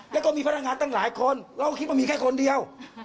แล้วก็มีพนักงานตั้งหลายคนเราก็คิดว่ามีแค่คนเดียว